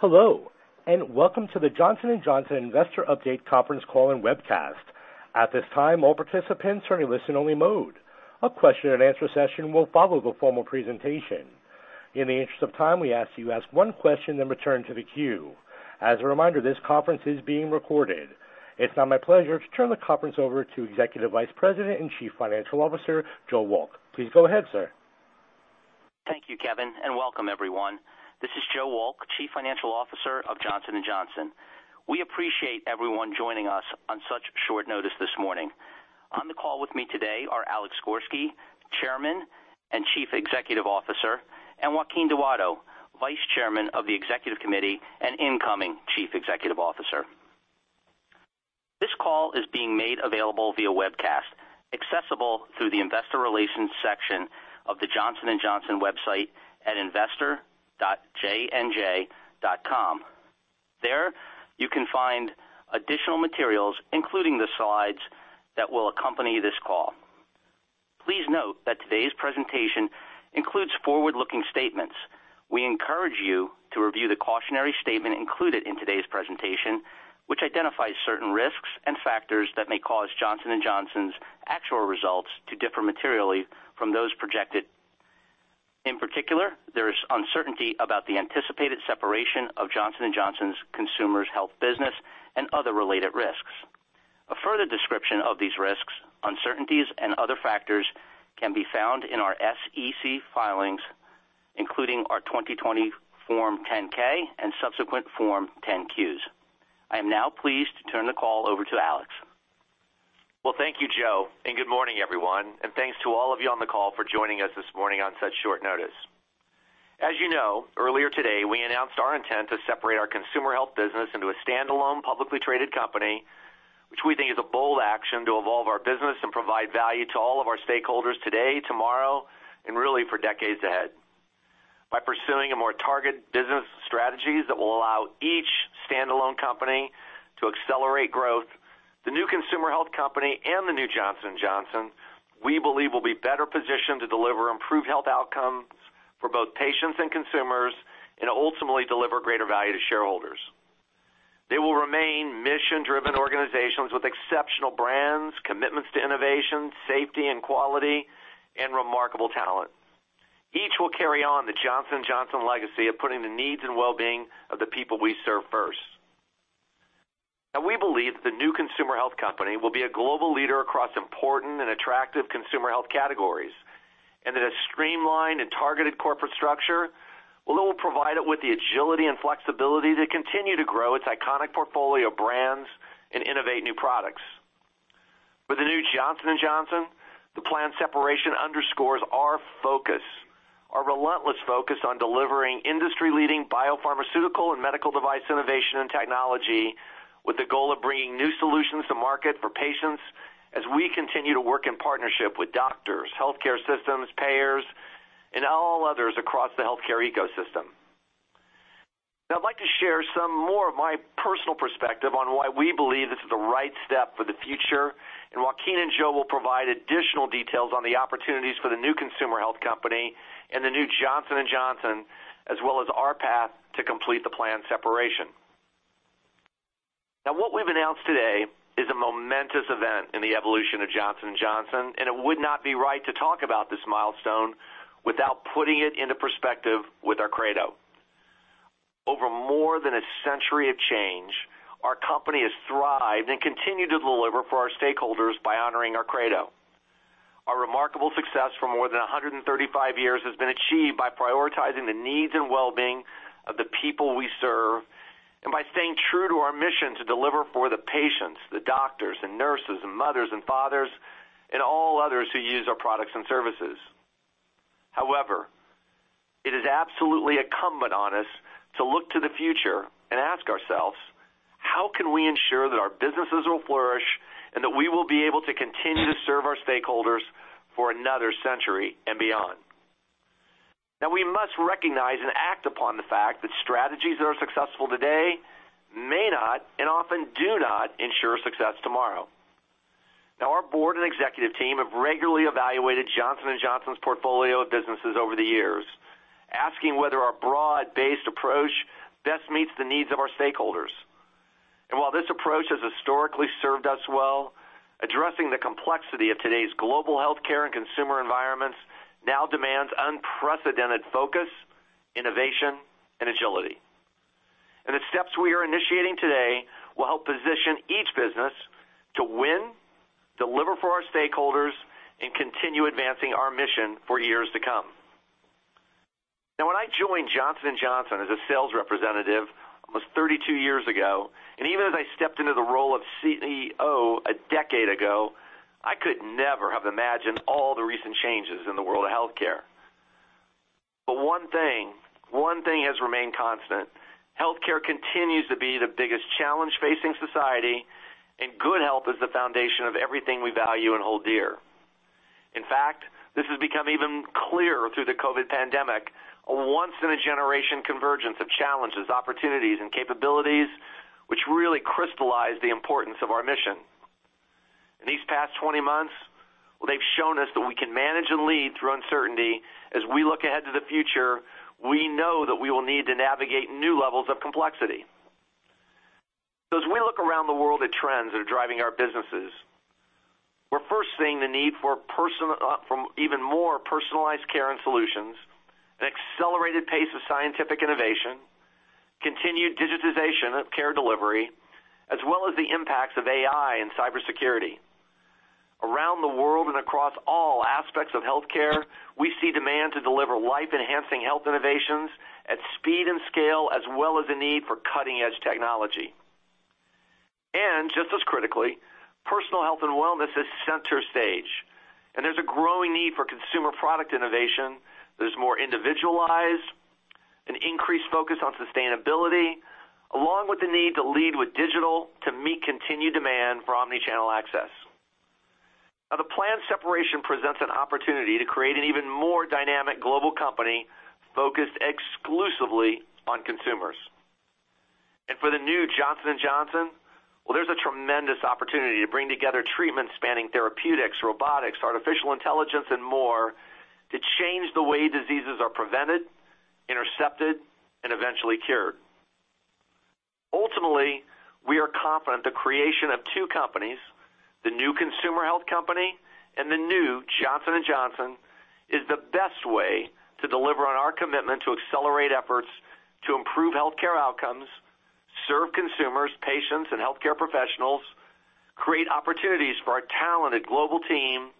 Hello, and welcome to the Johnson & Johnson investor update conference call and webcast. At this time, all participants are in listen-only mode. A question-and-answer session will follow the formal presentation. In the interest of time, we ask you to ask one question, then return to the queue. As a reminder, this conference is being recorded. It's now my pleasure to turn the conference over to Executive Vice President and Chief Financial Officer, Joe Wolk. Please go ahead, sir. Thank you, Kevin, and welcome everyone. This is Joe Wolk, Chief Financial Officer of Johnson & Johnson. We appreciate everyone joining us on such short notice this morning. On the call with me today are Alex Gorsky, Chairman and Chief Executive Officer, and Joaquin Duato, Vice Chairman of the Executive Committee and incoming Chief Executive Officer. This call is being made available via webcast, accessible through the investor relations section of the Johnson & Johnson website at investor.jnj.com. There, you can find additional materials, including the slides that will accompany this call. Please note that today's presentation includes forward-looking statements. We encourage you to review the cautionary statement included in today's presentation, which identifies certain risks and factors that may cause Johnson & Johnson's actual results to differ materially from those projected. In particular, there is uncertainty about the anticipated separation of Johnson & Johnson's Consumer Health business and other related risks. A further description of these risks, uncertainties, and other factors can be found in our SEC filings, including our 2020 Form 10-K and subsequent Form 10-Qs. I am now pleased to turn the call over to Alex. Well, thank you, Joe, and good morning, everyone. Thanks to all of you on the call for joining us this morning on such short notice. As you know, earlier today, we announced our intent to separate our Consumer Health business into a standalone publicly traded company, which we think is a bold action to evolve our business and provide value to all of our stakeholders today, tomorrow, and really for decades ahead. By pursuing a more targeted business strategies that will allow each standalone company to accelerate growth, the new Consumer Health company and the new Johnson & Johnson, we believe, will be better positioned to deliver improved health outcomes for both patients and consumers and ultimately deliver greater value to shareholders. They will remain mission-driven organizations with exceptional brands, commitments to innovation, safety, and quality, and remarkable talent. Each will carry on the Johnson & Johnson legacy of putting the needs and well-being of the people we serve first. Now, we believe the new Consumer Health company will be a global leader across important and attractive consumer health categories, and that a streamlined and targeted corporate structure will provide it with the agility and flexibility to continue to grow its iconic portfolio of brands and innovate new products. With the new Johnson & Johnson, the planned separation underscores our focus, our relentless focus on delivering industry-leading biopharmaceutical and medical device innovation and technology with the goal of bringing new solutions to market for patients as we continue to work in partnership with doctors, healthcare systems, payers, and all others across the healthcare ecosystem. Now, I'd like to share some more of my personal perspective on why we believe this is the right step for the future, and Joaquin and Joe will provide additional details on the opportunities for the new Consumer Health company and the new Johnson & Johnson, as well as our path to complete the planned separation. Now, what we've announced today is a momentous event in the evolution of Johnson & Johnson, and it would not be right to talk about this milestone without putting it into perspective with our credo. Over more than a century of change, our company has thrived and continued to deliver for our stakeholders by honoring our credo. Our remarkable success for more than 135 years has been achieved by prioritizing the needs and well-being of the people we serve, and by staying true to our mission to deliver for the patients, the doctors, and nurses, and mothers, and fathers, and all others who use our products and services. However, it is absolutely incumbent on us to look to the future and ask ourselves, "How can we ensure that our businesses will flourish and that we will be able to continue to serve our stakeholders for another century and beyond?" We must recognize and act upon the fact that strategies that are successful today may not, and often do not, ensure success tomorrow. Our board and executive team have regularly evaluated Johnson & Johnson's portfolio of businesses over the years, asking whether our broad-based approach best meets the needs of our stakeholders. While this approach has historically served us well, addressing the complexity of today's global healthcare and consumer environments now demands unprecedented focus, innovation, and agility. The steps we are initiating today will help position each business to win, deliver for our stakeholders, and continue advancing our mission for years to come. Now, when I joined Johnson & Johnson as a sales representative almost 32 years ago, and even as I stepped into the role of CEO a decade ago, I could never have imagined all the recent changes in the world of healthcare. One thing has remained constant. Healthcare continues to be the biggest challenge facing society, and good health is the foundation of everything we value and hold dear. In fact, this has become even clearer through the COVID pandemic, a once-in-a-generation convergence of challenges, opportunities, and capabilities, which really crystallized the importance of our mission. In these past 20 months, they've shown us that we can manage and lead through uncertainty. As we look ahead to the future, we know that we will need to navigate new levels of complexity. As we look around the world at trends that are driving our businesses, we're first seeing the need for from even more personalized care and solutions, an accelerated pace of scientific innovation, continued digitization of care delivery, as well as the impacts of AI and cybersecurity. Around the world and across all aspects of healthcare, we see demand to deliver life-enhancing health innovations at speed and scale, as well as the need for cutting-edge technology. Just as critically, personal health and wellness is center stage, and there's a growing need for consumer product innovation that is more individualized, an increased focus on sustainability, along with the need to lead with digital to meet continued demand for omni-channel access. Now, the planned separation presents an opportunity to create an even more dynamic global company focused exclusively on consumers. For the new Johnson & Johnson, well, there's a tremendous opportunity to bring together treatments spanning therapeutics, robotics, artificial intelligence, and more to change the way diseases are prevented, intercepted, and eventually cured. Ultimately, we are confident the creation of two companies, the new consumer health company and the new Johnson & Johnson, is the best way to deliver on our commitment to accelerate efforts to improve healthcare outcomes, serve consumers, patients, and healthcare professionals, create opportunities for our talented global team,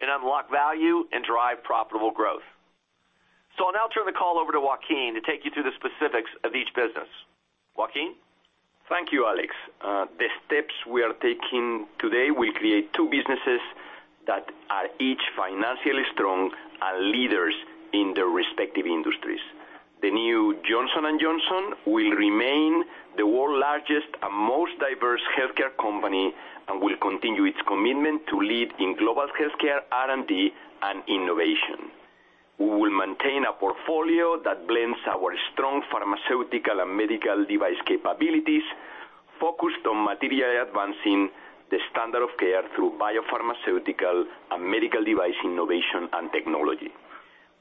and unlock value and drive profitable growth. I'll now turn the call over to Joaquin to take you through the specifics of each business. Joaquin? Thank you, Alex. The steps we are taking today will create two businesses that are each financially strong and leaders in their respective industries. The new Johnson & Johnson will remain the world's largest and most diverse healthcare company and will continue its commitment to lead in global healthcare, R&D, and innovation. We will maintain a portfolio that blends our strong pharmaceutical and medical device capabilities focused on materially advancing the standard of care through biopharmaceutical and medical device innovation and technology.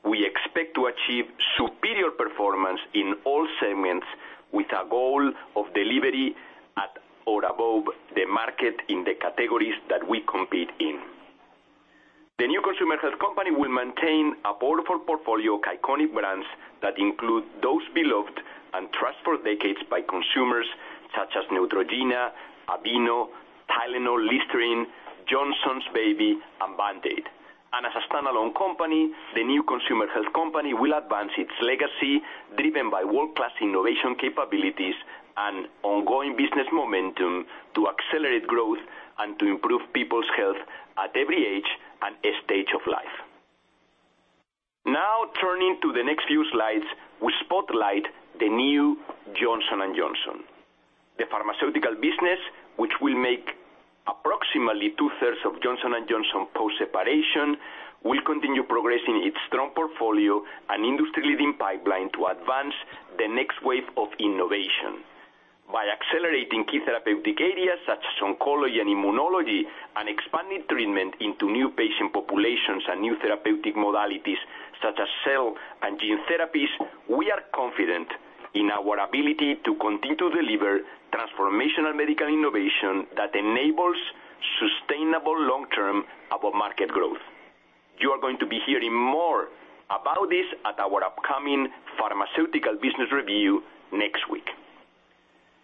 We expect to achieve superior performance in all segments with a goal of delivery at or above the market in the categories that we compete in. The new consumer health company will maintain a powerful portfolio of iconic brands that include those beloved and trusted for decades by consumers such as Neutrogena, Aveeno, Tylenol, Listerine, Johnson's Baby, and Band-Aid. As a standalone company, the new consumer health company will advance its legacy, driven by world-class innovation capabilities and ongoing business momentum to accelerate growth and to improve people's health at every age and stage of life. Now turning to the next few slides, we spotlight the new Johnson & Johnson. The pharmaceutical business, which will make approximately 2/3 of Johnson & Johnson post-separation, will continue progressing its strong portfolio and industry-leading pipeline to advance the next wave of innovation. By accelerating key therapeutic areas such as oncology and immunology and expanding treatment into new patient populations and new therapeutic modalities such as cell and gene therapies, we are confident in our ability to continue to deliver transformational medical innovation that enables sustainable long-term above-market growth. You are going to be hearing more about this at our upcoming Pharmaceutical Business Review next week.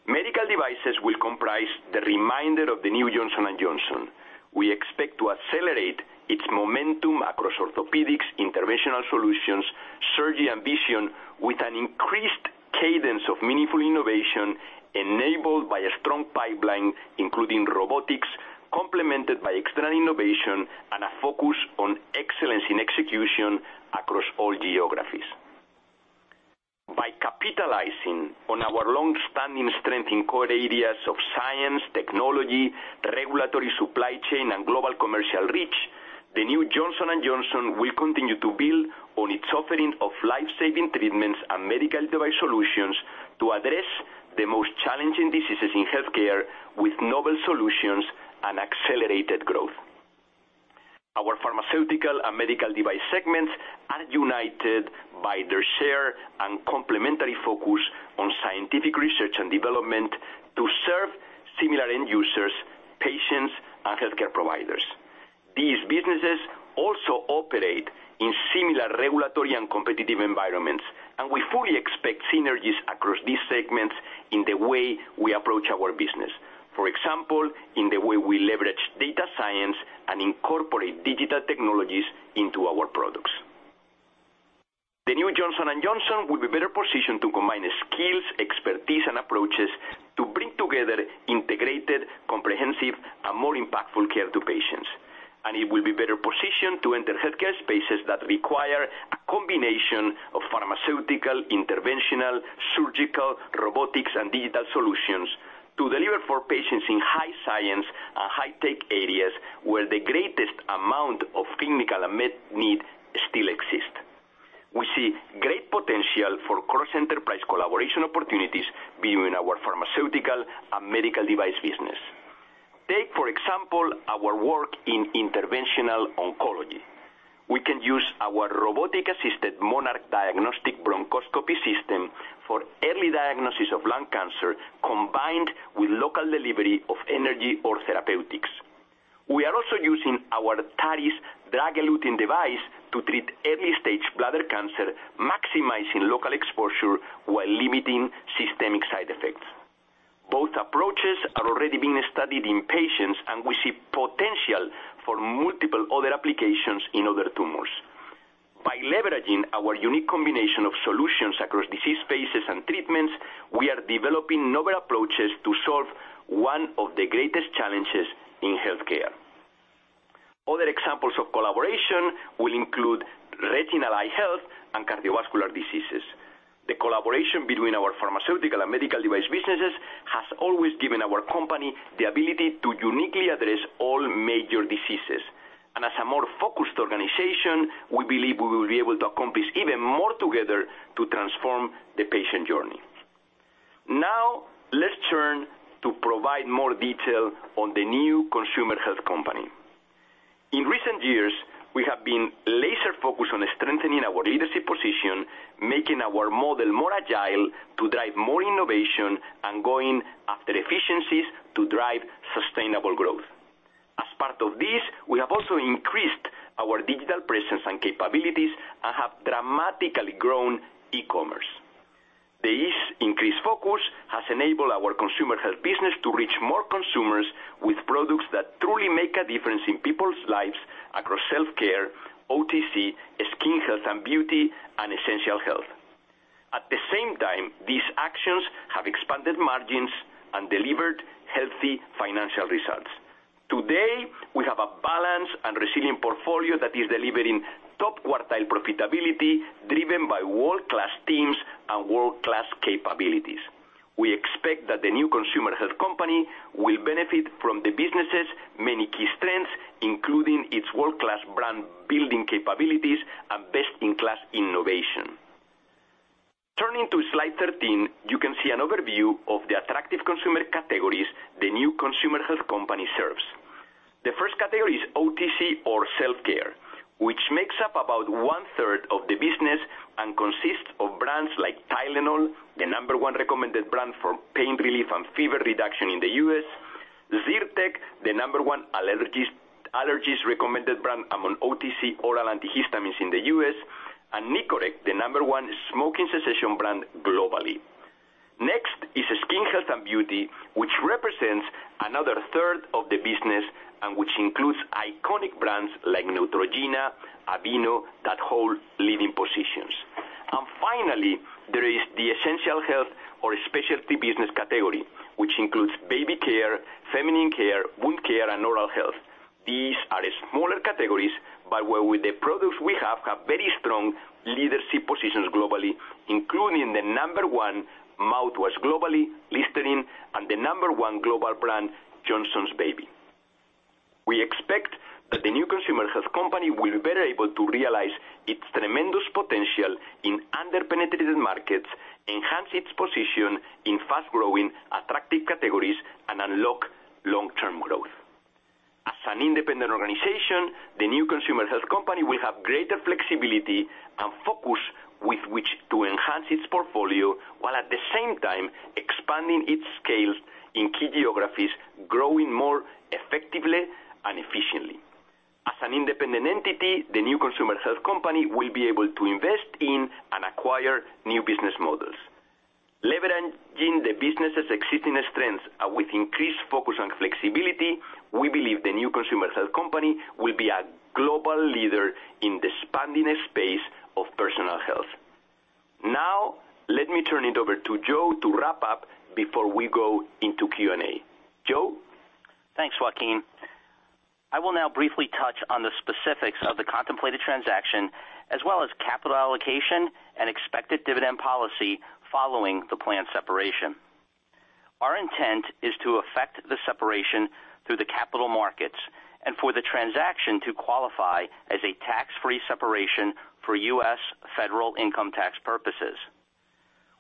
Medical devices will comprise the remainder of the new Johnson & Johnson. We expect to accelerate its momentum across orthopedics, interventional solutions, surgery, and vision with an increased cadence of meaningful innovation enabled by a strong pipeline, including robotics, complemented by external innovation and a focus on excellence in execution across all geographies. By capitalizing on our long-standing strength in core areas of science, technology, regulatory supply chain, and global commercial reach, the new Johnson & Johnson will continue to build on its offering of life-saving treatments and medical device solutions to address the most challenging diseases in healthcare with novel solutions and accelerated growth. Our pharmaceutical and medical device segments are united by their shared and complementary focus on scientific research and development to serve similar end users, patients, and healthcare providers. These businesses also operate in similar regulatory and competitive environments, and we fully expect synergies across these segments in the way we approach our business. For example, in the way we leverage data science and incorporate digital technologies into our products. The new Johnson & Johnson will be better positioned to combine the skills, expertise, and approaches to bring together integrated, comprehensive, and more impactful care to patients. It will be better positioned to enter healthcare spaces that require a combination of pharmaceutical, interventional, surgical, robotics, and digital solutions to deliver for patients in high science and high tech areas where the greatest amount of clinical and medical need still exist. We see great potential for cross-enterprise collaboration opportunities between our pharmaceutical and medical device business. Take, for example, our work in interventional oncology. We can use our robotic-assisted MONARCH Diagnostic Bronchoscopy System for early diagnosis of lung cancer, combined with local delivery of energy or therapeutics. We are also using our TARIS drug-eluting device to treat early-stage bladder cancer, maximizing local exposure while limiting systemic side effects. Both approaches are already being studied in patients, and we see potential for multiple other applications in other tumors. By leveraging our unique combination of solutions across disease phases and treatments, we are developing novel approaches to solve one of the greatest challenges in healthcare. Other examples of collaboration will include retinal eye health and cardiovascular diseases. The collaboration between our pharmaceutical and medical device businesses has always given our company the ability to uniquely address all major diseases. As a more focused organization, we believe we will be able to accomplish even more together to transform the patient journey. Now, let's turn to provide more detail on the new consumer health company. In recent years, we have been laser-focused on strengthening our leadership position, making our model more agile to drive more innovation, and going after efficiencies to drive sustainable growth. As part of this, we have also increased our digital presence and capabilities and have dramatically grown e-commerce. This increased focus has enabled our consumer health business to reach more consumers with products that truly make a difference in people's lives across self-care, OTC, skin health and beauty, and essential health. At the same time, these actions have expanded margins and delivered healthy financial results. Today, we have a balanced and resilient portfolio that is delivering top quartile profitability, driven by world-class teams and world-class capabilities. We expect that the new consumer health company will benefit from the business' many key strengths, including its world-class brand-building capabilities and best-in-class innovation. Turning to slide 13, you can see an overview of the attractive consumer categories the new consumer health company serves. The first category is OTC or self-care, which makes up about 1/3 of the business and consists of brands like Tylenol, the number one recommended brand for pain relief and fever reduction in the U.S., Zyrtec, the number one allergist recommended brand among OTC oral antihistamines in the U.S., and Nicorette, the number one smoking cessation brand globally. Next is skin health and beauty, which represents another 1/3 of the business and which includes iconic brands like Neutrogena, Aveeno, that hold leading positions. Finally, there is the essential health or specialty business category, which includes baby care, feminine care, wound care, and oral health. These are smaller categories, but with the products we have, we have very strong leadership positions globally, including the number one mouthwash globally, Listerine, and the number one global brand, Johnson's Baby. We expect that the new consumer health company will be better able to realize its tremendous potential in under-penetrated markets, enhance its position in fast-growing, attractive categories, and unlock long-term growth. As an independent organization, the new consumer health company will have greater flexibility and focus with which to enhance its portfolio, while at the same time expanding its scale in key geographies, growing more effectively and efficiently. As an independent entity, the new consumer health company will be able to invest in and acquire new business models. Leveraging the business' existing strengths and with increased focus on flexibility, we believe the new consumer health company will be a global leader in the expanding space of personal health. Now, let me turn it over to Joe to wrap up before we go into Q&A. Joe? Thanks, Joaquin. I will now briefly touch on the specifics of the contemplated transaction, as well as capital allocation and expected dividend policy following the planned separation. Our intent is to effect the separation through the capital markets and for the transaction to qualify as a tax-free separation for US federal income tax purposes.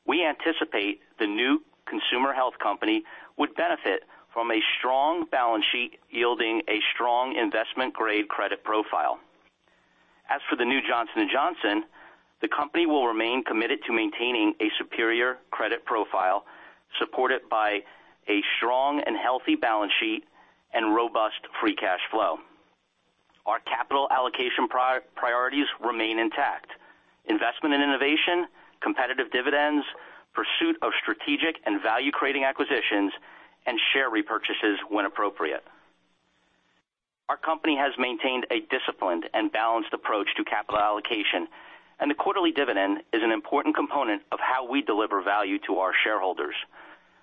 We anticipate the new consumer health company would benefit from a strong balance sheet, yielding a strong investment-grade credit profile. As for the new Johnson & Johnson, the company will remain committed to maintaining a superior credit profile supported by a strong and healthy balance sheet and robust free cash flow. Our capital allocation priorities remain intact. Investment in innovation, competitive dividends, pursuit of strategic and value-creating acquisitions, and share repurchases when appropriate. Our company has maintained a disciplined and balanced approach to capital allocation, and the quarterly dividend is an important component of how we deliver value to our shareholders.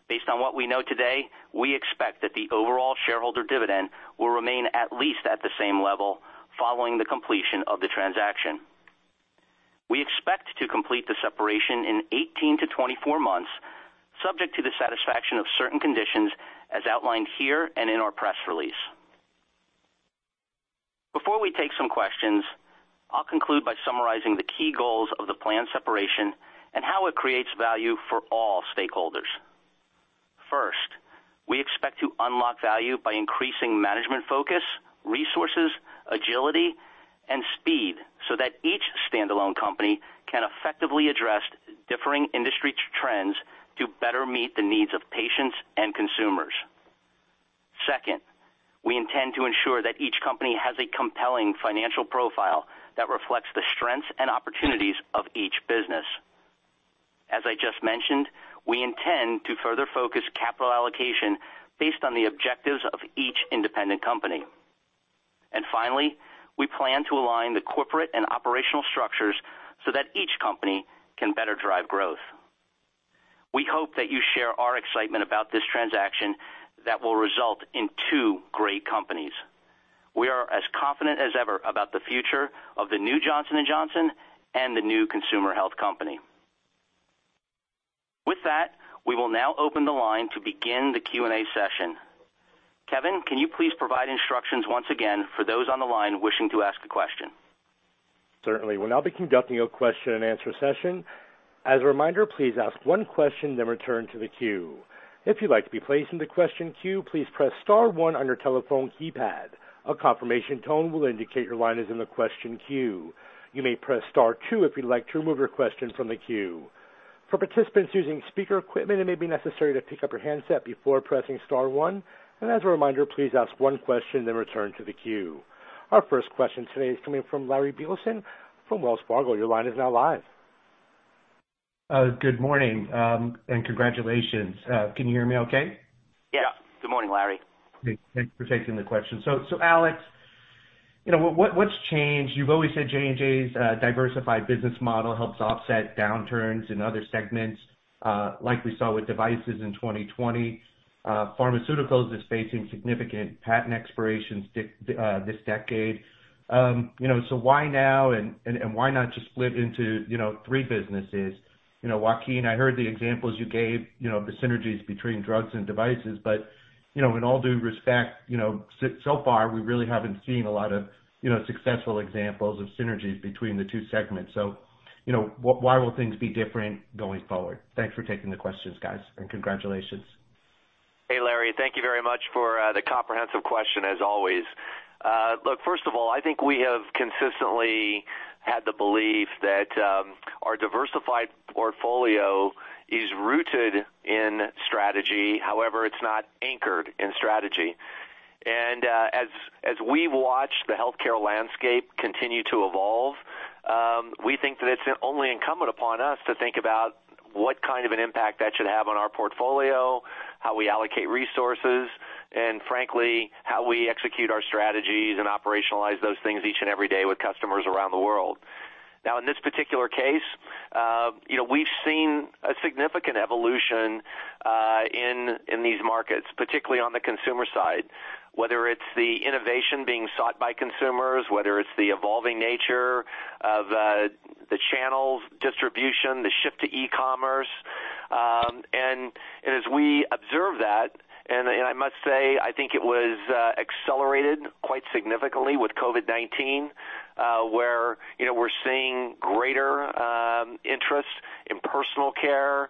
Based on what we know today, we expect that the overall shareholder dividend will remain at least at the same level following the completion of the transaction. We expect to complete the separation in 18-24 months, subject to the satisfaction of certain conditions, as outlined here and in our press release. Before we take some questions, I'll conclude by summarizing the key goals of the planned separation and how it creates value for all stakeholders. First, we expect to unlock value by increasing management focus, resources, agility, and speed, so that each standalone company can effectively address differing industry trends to better meet the needs of patients and consumers. Second, we intend to ensure that each company has a compelling financial profile that reflects the strengths and opportunities of each business. As I just mentioned, we intend to further focus capital allocation based on the objectives of each independent company. Finally, we plan to align the corporate and operational structures so that each company can better drive growth. We hope that you share our excitement about this transaction that will result in two great companies. We are as confident as ever about the future of the new Johnson & Johnson and the new consumer health company. With that, we will now open the line to begin the Q&A session. Kevin, can you please provide instructions once again for those on the line wishing to ask a question? Certainly. We'll now be conducting a question-and-answer session. As a reminder, please ask one question then return to the queue. If you'd like to be placed in the question queue, please press star one on your telephone keypad. A confirmation tone will indicate your line is in the question queue. You may press star two if you'd like to remove your question from the queue. For participants using speaker equipment, it may be necessary to pick up your handset before pressing star one. As a reminder, please ask one question then return to the queue. Our first question today is coming from Larry Biegelsen from Wells Fargo. Your line is now live. Good morning, and congratulations. Can you hear me okay? Yeah. Good morning, Larry. Great. Thanks for taking the question. Alex, you know, what's changed? You've always said J&J's diversified business model helps offset downturns in other segments, like we saw with devices in 2020. Pharmaceuticals is facing significant patent expirations this decade. You know, why now and why not just split into three businesses? You know, Joaquin, I heard the examples you gave, you know, of the synergies between drugs and devices. But you know, in all due respect, you know, so far, we really haven't seen a lot of, you know, successful examples of synergies between the two segments. You know, why will things be different going forward? Thanks for taking the questions, guys, and congratulations. Hey, Larry, thank you very much for the comprehensive question as always. Look, first of all, I think we have consistently had the belief that our diversified portfolio is rooted in strategy. However, it's not anchored in strategy. As we watch the healthcare landscape continue to evolve, we think that it's only incumbent upon us to think about what kind of an impact that should have on our portfolio, how we allocate resources, and frankly, how we execute our strategies and operationalize those things each and every day with customers around the world. Now, in this particular case, you know, we've seen a significant evolution in these markets, particularly on the consumer side, whether it's the innovation being sought by consumers, whether it's the evolving nature of the channels of distribution, the shift to e-commerce. As we observe that, I must say, I think it was accelerated quite significantly with COVID-19, where, you know, we're seeing greater interest in personal care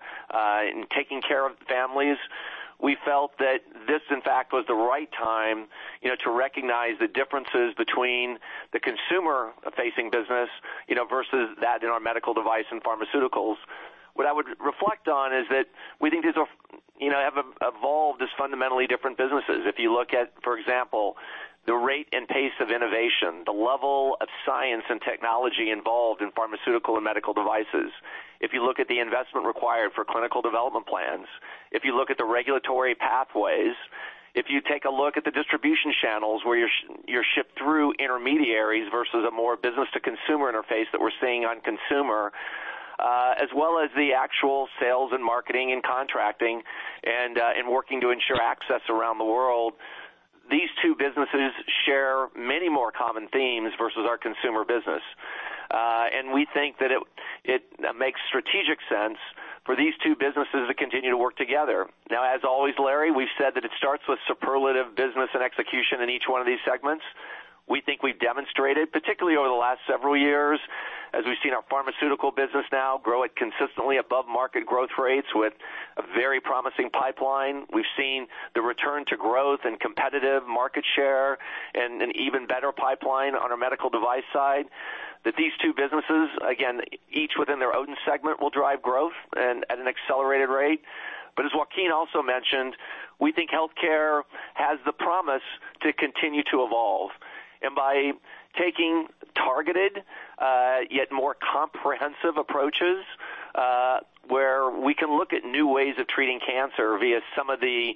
in taking care of families. We felt that this, in fact, was the right time, you know, to recognize the differences between the consumer-facing business, you know, versus that in our medical device and pharmaceuticals. What I would reflect on is that we think these are, you know, have evolved as fundamentally different businesses. If you look at, for example, the rate and pace of innovation, the level of science and technology involved in pharmaceutical and medical devices. If you look at the investment required for clinical development plans, if you look at the regulatory pathways, if you take a look at the distribution channels where you ship through intermediaries versus a more business to consumer interface that we're seeing on consumer, as well as the actual sales and marketing and contracting and working to ensure access around the world. These two businesses share many more common themes versus our consumer business. We think that it makes strategic sense for these two businesses to continue to work together. Now, as always, Larry, we've said that it starts with superlative business and execution in each one of these segments. We think we've demonstrated, particularly over the last several years, as we've seen our pharmaceutical business now grow at consistently above market growth rates with a very promising pipeline. We've seen the return to growth and competitive market share and an even better pipeline on our medical device side, that these two businesses, again, each within their own segment, will drive growth and at an accelerated rate. As Joaquin also mentioned, we think healthcare has the promise to continue to evolve. By taking targeted, yet more comprehensive approaches, where we can look at new ways of treating cancer via some of the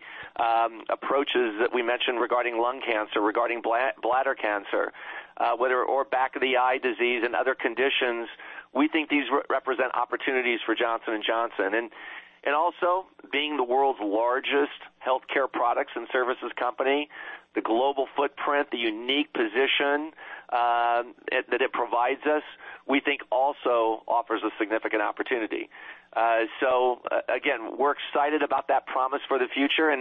approaches that we mentioned regarding lung cancer, regarding bladder cancer, or back of the eye disease and other conditions, we think these represent opportunities for Johnson & Johnson. Also being the world's largest healthcare products and services company, the global footprint, the unique position that it provides us, we think also offers a significant opportunity. Again, we're excited about that promise for the future.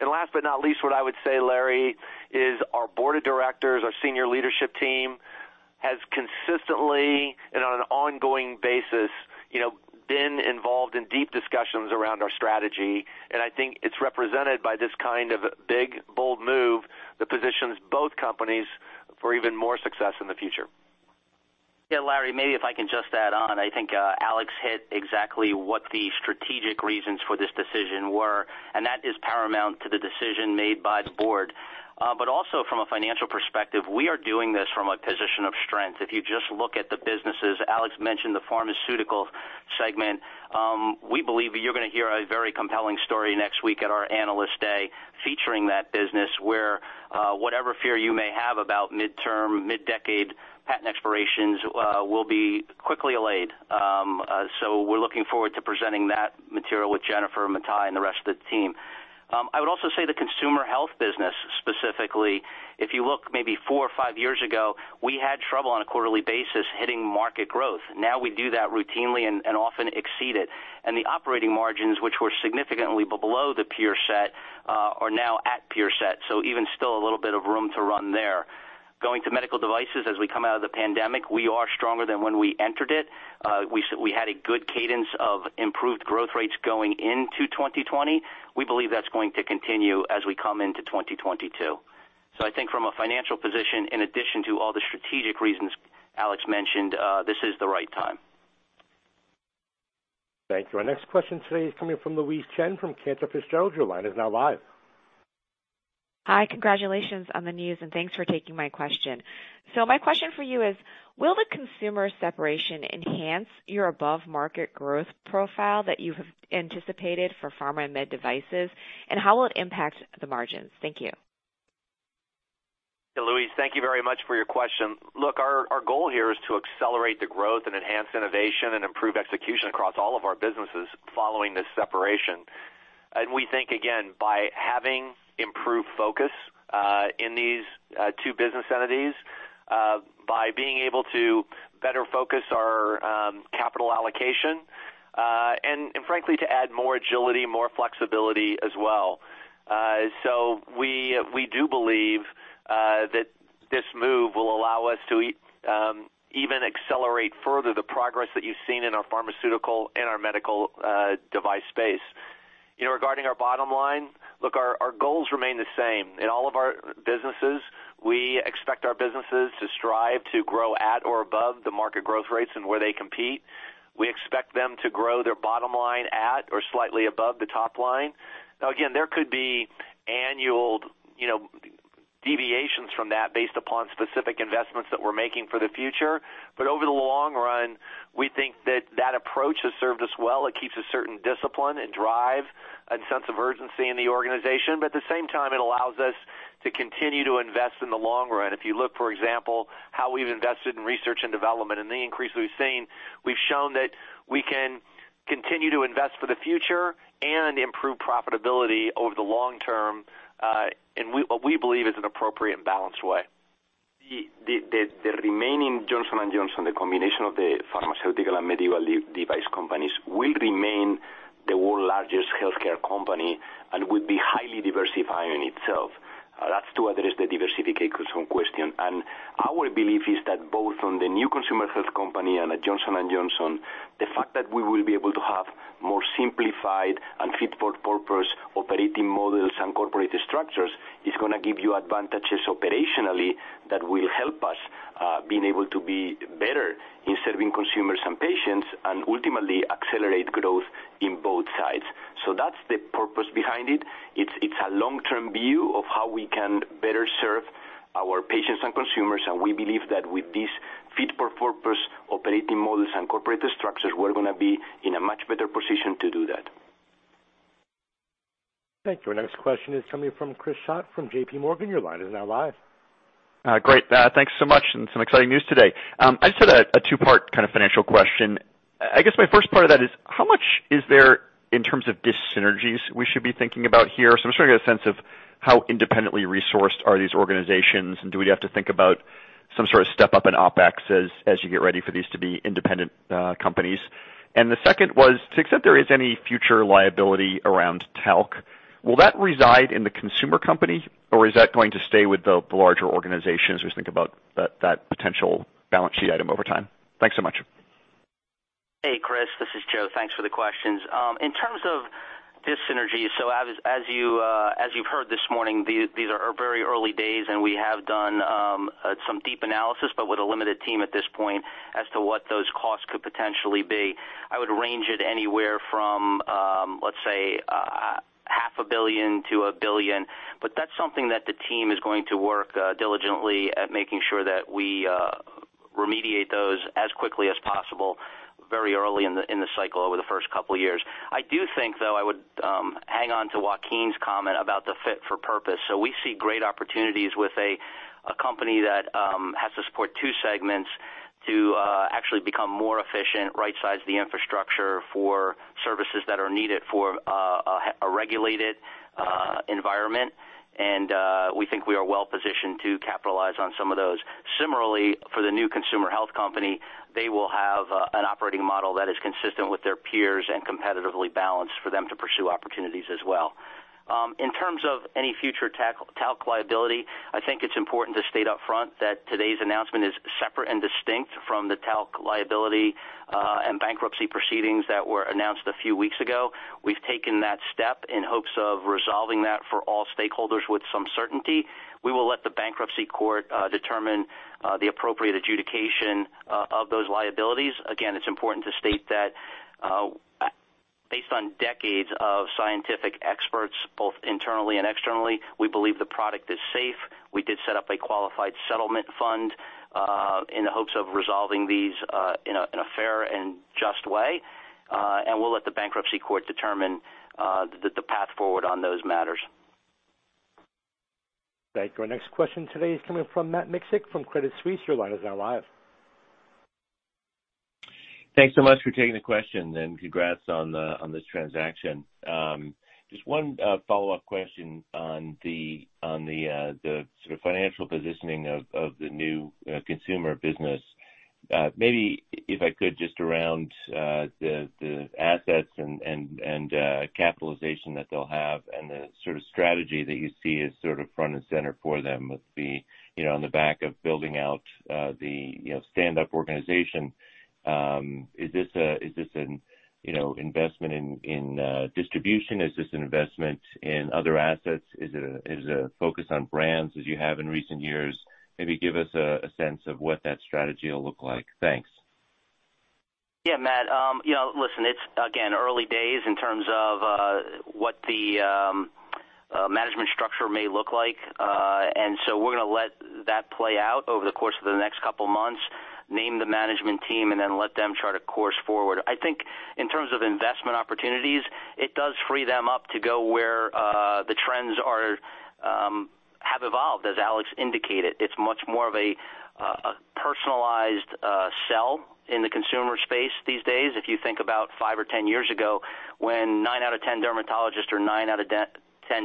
Last but not least, what I would say, Larry, is our board of directors, our senior leadership team has consistently and on an ongoing basis, you know, been involved in deep discussions around our strategy. I think it's represented by this kind of big, bold move that positions both companies for even more success in the future. Yeah, Larry, maybe if I can just add on, I think Alex hit exactly what the strategic reasons for this decision were, and that is paramount to the decision made by the board. Also from a financial perspective, we are doing this from a position of strength. If you just look at the businesses, Alex mentioned the Pharmaceutical segment, we believe you're gonna hear a very compelling story next week at our Analyst Day featuring that business, where whatever fear you may have about midterm, mid-decade patent expirations will be quickly allayed. We're looking forward to presenting that material with Jennifer, Mathai, and the rest of the team. I would also say the Consumer Health business, specifically, if you look maybe four or five years ago, we had trouble on a quarterly basis hitting market growth. Now we do that routinely and often exceed it. The operating margins, which were significantly below the peer set, are now at peer set, so even still a little bit of room to run there. Going to medical devices as we come out of the pandemic, we are stronger than when we entered it. We had a good cadence of improved growth rates going into 2020. We believe that's going to continue as we come into 2022. I think from a financial position, in addition to all the strategic reasons Alex mentioned, this is the right time. Thank you. Our next question today is coming from Louise Chen from Cantor Fitzgerald. Your line is now live. Hi. Congratulations on the news, and thanks for taking my question. My question for you is, will the consumer separation enhance your above market growth profile that you have anticipated for pharma and med devices, and how will it impact the margins? Thank you. Yeah, Louise, thank you very much for your question. Look, our goal here is to accelerate the growth and enhance innovation and improve execution across all of our businesses following this separation. We think, again, by having improved focus in these two business entities, by being able to better focus our capital allocation, and frankly, to add more agility, more flexibility as well. We do believe that this move will allow us to even accelerate further the progress that you've seen in our pharmaceutical and our medical device space. You know, regarding our bottom line, look, our goals remain the same. In all of our businesses, we expect our businesses to strive to grow at or above the market growth rates and where they compete. We expect them to grow their bottom line at or slightly above the top line. Now, again, there could be annual, you know, deviations from that based upon specific investments that we're making for the future. Over the long run, we think that that approach has served us well. It keeps a certain discipline and drive and sense of urgency in the organization. At the same time, it allows us to continue to invest in the long run. If you look, for example, how we've invested in research and development and the increase we've seen, we've shown that we can continue to invest for the future and improve profitability over the long term, in what we believe is an appropriate balanced way. The remaining Johnson & Johnson, the combination of the pharmaceutical and medical device companies, will remain the world's largest healthcare company and will be highly diversified in itself. That's to address the diversification question. Our belief is that both on the new consumer health company and at Johnson & Johnson, the fact that we will be able to have more simplified and fit for purpose operating models and corporate structures is gonna give you advantages operationally that will help us being able to be better in serving consumers and patients and ultimately accelerate growth in both sides. That's the purpose behind it. It's a long-term view of how we can better serve our patients and consumers, and we believe that with these fit for purpose operating models and corporate structures, we're gonna be in a much better position to do that. Thank you. Our next question is coming from Chris Schott from JPMorgan. Your line is now live. Great. Thanks so much and some exciting news today. I just had a two-part kind of financial question. I guess my first part of that is how much is there in terms of dis-synergies we should be thinking about here? I'm just trying to get a sense of how independently resourced are these organizations, and do we have to think about some sort of step up in OpEx as you get ready for these to be independent companies? The second was, to the extent there is any future liability around talc, will that reside in the consumer company, or is that going to stay with the larger organization as we think about that potential balance sheet item over time? Thanks so much. Hey, Chris, this is Joe. Thanks for the questions. In terms of dis-synergy, as you've heard this morning, these are very early days and we have done some deep analysis, but with a limited team at this point as to what those costs could potentially be. I would range it anywhere from, let's say, $500 million-$1 billion. That's something that the team is going to work diligently at making sure that we remediate those as quickly as possible very early in the cycle over the first couple years. I do think, though, I would hang on to Joaquin's comment about the fit for purpose. We see great opportunities with a company that has to support two segments. To actually become more efficient, right-size the infrastructure for services that are needed for a regulated environment. We think we are well-positioned to capitalize on some of those. Similarly, for the new consumer health company, they will have an operating model that is consistent with their peers and competitively balanced for them to pursue opportunities as well. In terms of any future talc liability, I think it's important to state upfront that today's announcement is separate and distinct from the talc liability and bankruptcy proceedings that were announced a few weeks ago. We've taken that step in hopes of resolving that for all stakeholders with some certainty. We will let the bankruptcy court determine the appropriate adjudication of those liabilities. Again, it's important to state that, based on decades of scientific experts, both internally and externally, we believe the product is safe. We did set up a qualified settlement fund, in the hopes of resolving these, in a fair and just way, and we'll let the bankruptcy court determine, the path forward on those matters. Thank you. Our next question today is coming from Matt Miksic from Credit Suisse. Your line is now live. Thanks so much for taking the question and congrats on this transaction. Just one follow-up question on the sort of financial positioning of the new consumer business. Maybe if I could just around the assets and capitalization that they'll have and the sort of strategy that you see as sort of front and center for them with, you know, on the back of building out the standup organization. Is this an investment in distribution? Is this an investment in other assets? Is it a focus on brands as you have in recent years? Maybe give us a sense of what that strategy will look like. Thanks. Yeah, Matt. You know, listen, it's again early days in terms of what the management structure may look like. We're gonna let that play out over the course of the next couple months, name the management team, and then let them chart a course forward. I think in terms of investment opportunities, it does free them up to go where the trends have evolved, as Alex indicated. It's much more of a personalized sell in the consumer space these days. If you think about five or 10 years ago, when nine out of 10 dermatologists or nine out of 10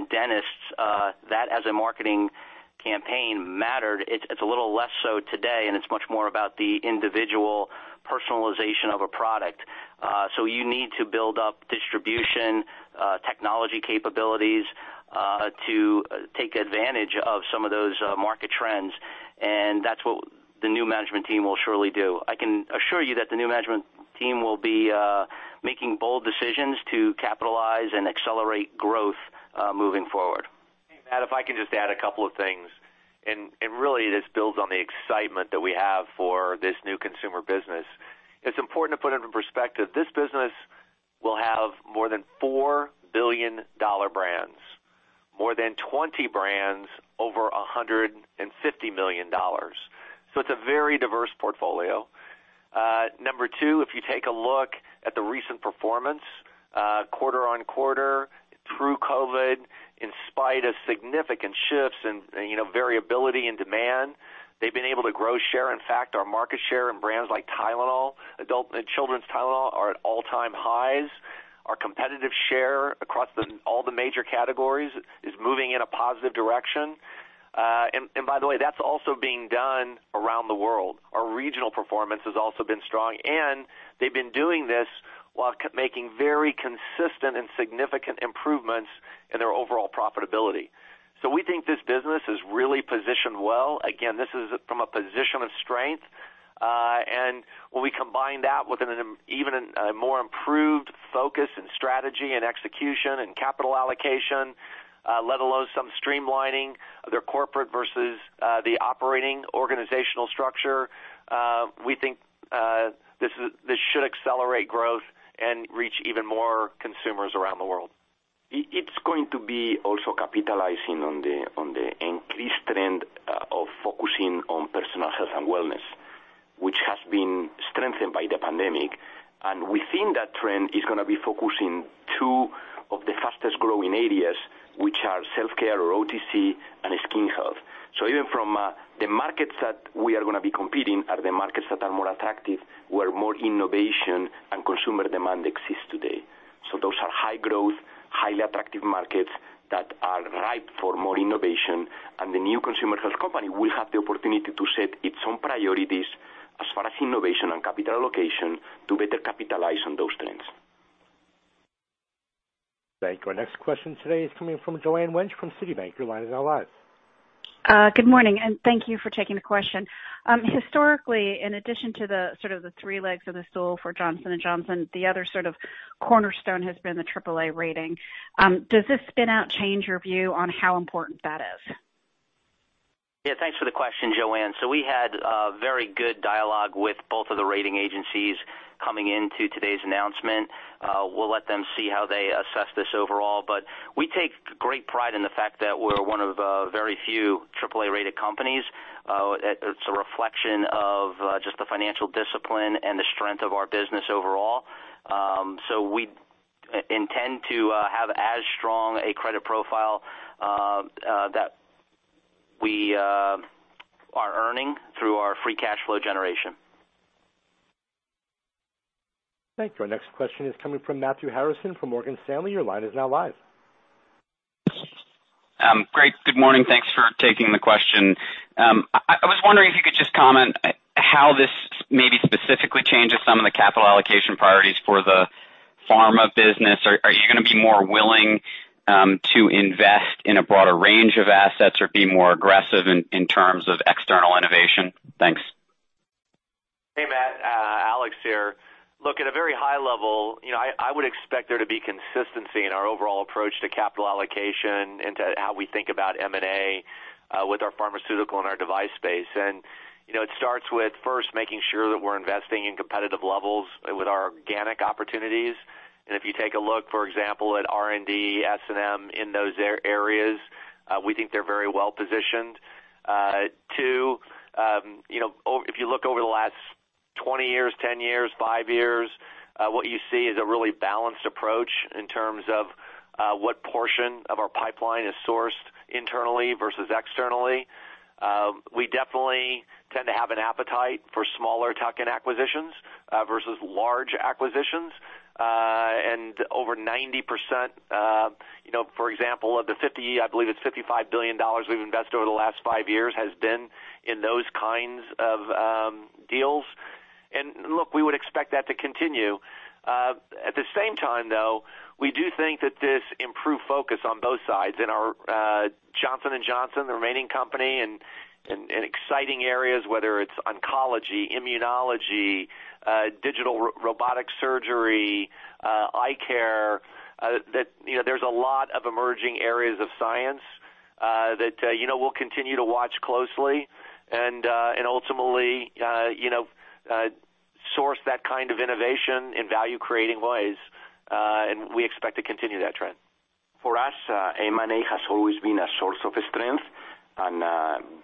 dentists, that as a marketing campaign mattered, it's a little less so today, and it's much more about the individual personalization of a product. You need to build up distribution, technology capabilities, to take advantage of some of those market trends, and that's what the new management team will surely do. I can assure you that the new management team will be making bold decisions to capitalize and accelerate growth, moving forward. Matt, if I can just add a couple of things, and really this builds on the excitement that we have for this new consumer business. It's important to put into perspective, this business will have more than $4 billion brands, more than 20 brands over $150 million. It's a very diverse portfolio. Number two, if you take a look at the recent performance, quarter-on-quarter through COVID, in spite of significant shifts and you know, variability in demand, they've been able to grow share. In fact, our market share in brands like Tylenol, adult and children's Tylenol are at all-time highs. Our competitive share across the, all the major categories is moving in a positive direction. And by the way, that's also being done around the world. Our regional performance has also been strong, and they've been doing this while making very consistent and significant improvements in their overall profitability. We think this business is really positioned well. Again, this is from a position of strength. When we combine that with an even more improved focus and strategy and execution and capital allocation, let alone some streamlining of their corporate versus the operating organizational structure, we think this should accelerate growth and reach even more consumers around the world. It's going to be also capitalizing on the increased trend of focusing on personal health and wellness, which has been strengthened by the pandemic. Within that trend it's gonna be focusing on two of the fastest-growing areas, which are self-care or OTC and skin health. Even from the markets that we are gonna be competing in are the markets that are more attractive, where more innovation and consumer demand exists today. Those are high growth, highly attractive markets that are ripe for more innovation. The new consumer health company will have the opportunity to set its own priorities as far as innovation and capital allocation to better capitalize on those trends. Thank you. Our next question today is coming from Joanne Wuensch from Citibank. Your line is now live. Good morning, and thank you for taking the question. Historically, in addition to sort of the three legs of the stool for Johnson & Johnson, the other sort of cornerstone has been the AAA rating. Does this spin out change your view on how important that is? Yeah, thanks for the question, Joanne. We had a very good dialogue with both of the rating agencies coming into today's announcement. We'll let them see how they assess this overall, but we take great pride in the fact that we're one of very few AAA-rated companies. It's a reflection of just the financial discipline and the strength of our business overall. We intend to have as strong a credit profile that we are earning through our free cash flow generation. Thank you. Our next question is coming from Matthew Harrison from Morgan Stanley. Your line is now live. Great. Good morning. Thanks for taking the question. I was wondering if you could just comment how this maybe specifically changes some of the capital allocation priorities for the pharma business. Are you gonna be more willing to invest in a broader range of assets or be more aggressive in terms of external innovation? Thanks. Hey, Matt. Alex here. Look at a very high level, you know, I would expect there to be consistency in our overall approach to capital allocation and to how we think about M&A with our pharmaceutical and our device space. You know, it starts with first making sure that we're investing in competitive levels with our organic opportunities. If you take a look, for example, at R&D, S&M in those areas, we think they're very well positioned. Two, you know, if you look over the last 20 years, 10 years, 5 years, what you see is a really balanced approach in terms of what portion of our pipeline is sourced internally versus externally. We definitely tend to have an appetite for smaller tuck-in acquisitions versus large acquisitions. Over 90%, you know, for example, of the $50 billion, I believe it's $55 billion we've invested over the last 5 years has been in those kinds of deals. Look, we would expect that to continue. At the same time, though, we do think that this improved focus on both sides in our Johnson & Johnson, the remaining company, and exciting areas, whether it's oncology, immunology, digital robotic surgery, eye care, that you know, there's a lot of emerging areas of science that you know, we'll continue to watch closely and ultimately you know, source that kind of innovation in value creating ways. We expect to continue that trend. For us, M&A has always been a source of strength, and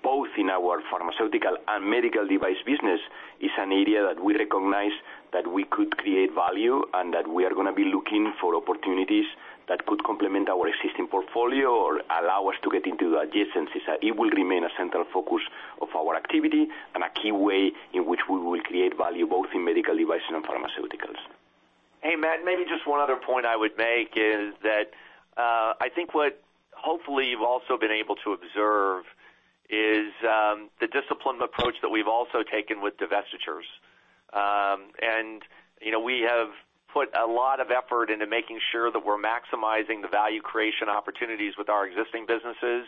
both in our pharmaceutical and medical device business is an area that we recognize that we could create value and that we are gonna be looking for opportunities that could complement our existing portfolio or allow us to get into adjacencies. It will remain a central focus of our activity and a key way in which we will create value both in medical devices and pharmaceuticals. Hey, Matt, maybe just one other point I would make is that, I think what hopefully you've also been able to observe is the disciplined approach that we've also taken with divestitures. And, you know, we have put a lot of effort into making sure that we're maximizing the value creation opportunities with our existing businesses,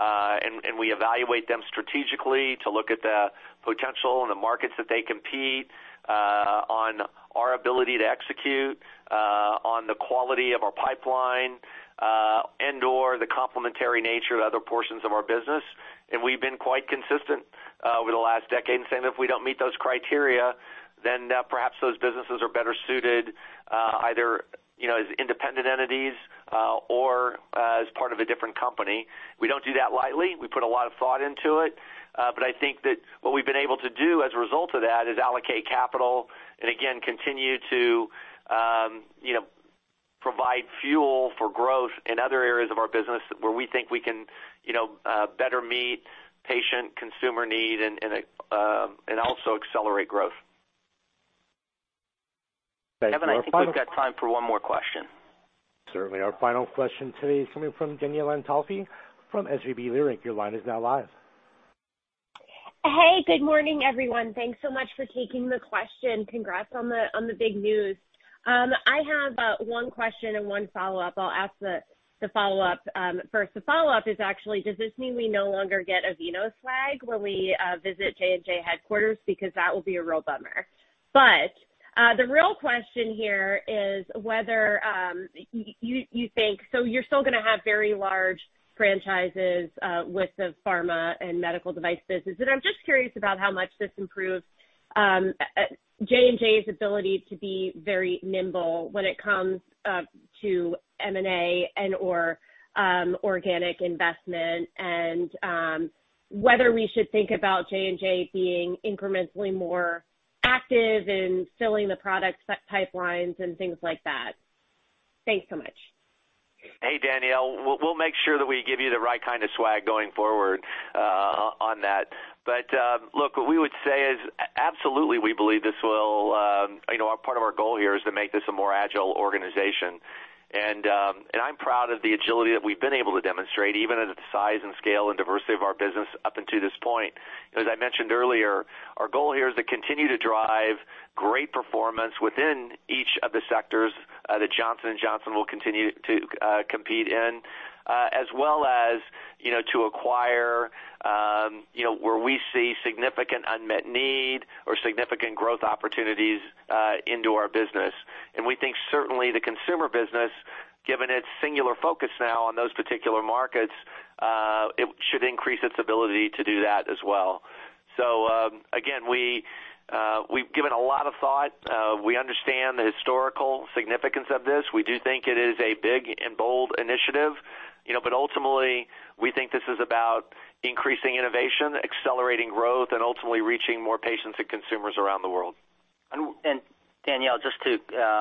and we evaluate them strategically to look at the potential and the markets that they compete on our ability to execute on the quality of our pipeline, and/or the complementary nature of other portions of our business. We've been quite consistent over the last decade and saying, if we don't meet those criteria, then perhaps those businesses are better suited, either, you know, as independent entities, or as part of a different company. We don't do that lightly. We put a lot of thought into it. I think that what we've been able to do as a result of that is allocate capital and again, continue to, you know, provide fuel for growth in other areas of our business where we think we can, you know, better meet patient consumer need and also accelerate growth. Thanks. Evan, I think we've got time for one more question. Certainly. Our final question today is coming from Danielle Antalffy from SVB Leerink. Your line is now live. Hey, good morning, everyone. Thanks so much for taking the question. Congrats on the big news. I have one question and one follow-up. I'll ask the follow-up first. The follow-up is actually, does this mean we no longer get a Aveeno swag when we visit J&J headquarters? Because that will be a real bummer. The real question here is whether you think, so you're still gonna have very large franchises with the pharma and medical device business. I'm just curious about how much this improves J&J's ability to be very nimble when it comes to M&A and/or organic investment and whether we should think about J&J being incrementally more active in filling the product pipelines and things like that. Thanks so much. Hey, Danielle. We'll make sure that we give you the right kind of swag going forward on that. Look, what we would say is absolutely, we believe this will, you know, part of our goal here is to make this a more agile organization. I'm proud of the agility that we've been able to demonstrate, even at the size and scale and diversity of our business up until this point. As I mentioned earlier, our goal here is to continue to drive great performance within each of the sectors that Johnson & Johnson will continue to compete in, as well as, you know, to acquire, you know, where we see significant unmet need or significant growth opportunities into our business. We think certainly the consumer business, given its singular focus now on those particular markets, it should increase its ability to do that as well. Again, we've given a lot of thought. We understand the historical significance of this. We do think it is a big and bold initiative. You know, ultimately, we think this is about increasing innovation, accelerating growth, and ultimately reaching more patients and consumers around the world. Danielle, just to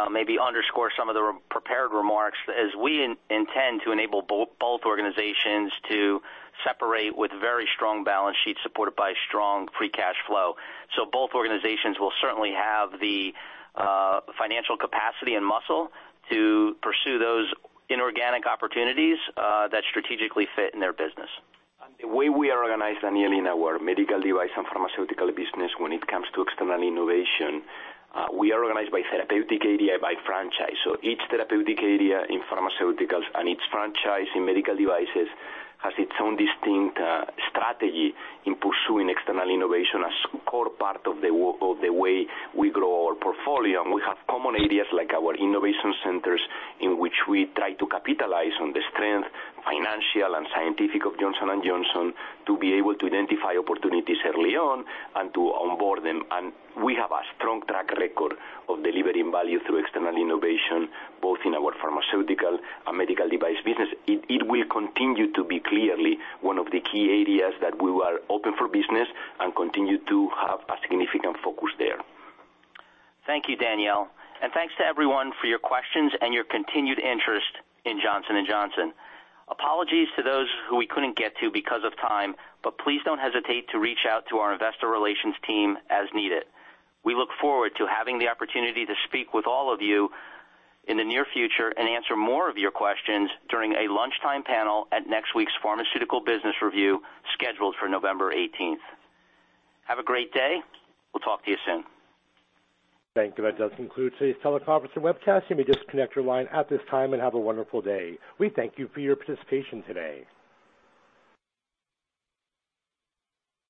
maybe underscore some of the prepared remarks as we intend to enable both organizations to separate with very strong balance sheets supported by strong free cash flow. Both organizations will certainly have the financial capacity and muscle to pursue those inorganic opportunities that strategically fit in their business. The way we are organized, Danielle, in our medical device and pharmaceutical business when it comes to external innovation, we are organized by therapeutic area by franchise. Each therapeutic area in pharmaceuticals and each franchise in medical devices has its own distinct, strategy in pursuing external innovation as core part of the way we grow our portfolio. We have common areas like our innovation centers, in which we try to capitalize on the strength, financial and scientific of Johnson & Johnson, to be able to identify opportunities early on and to onboard them. We have a strong track record of delivering value through external innovation, both in our pharmaceutical and medical device business. It will continue to be clearly one of the key areas that we are open for business and continue to have a significant focus there. Thank you, Danielle, and thanks to everyone for your questions and your continued interest in Johnson & Johnson. Apologies to those who we couldn't get to because of time, but please don't hesitate to reach out to our investor relations team as needed. We look forward to having the opportunity to speak with all of you in the near future and answer more of your questions during a lunchtime panel at next week's Pharmaceutical Business Review, scheduled for November eighteenth. Have a great day. We'll talk to you soon. Thank you. That does conclude today's teleconference and webcast. You may disconnect your line at this time and have a wonderful day. We thank you for your participation today.